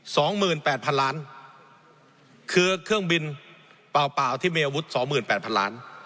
สองหมื่นแปดพันล้านคือเครื่องบินเปล่าเปล่าที่มีอาวุธสองหมื่นแปดพันล้าน